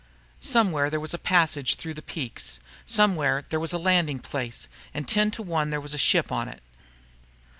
Somewhere there was a passage through those peaks. Somewhere there was a landing place, and ten to one there was a ship on it.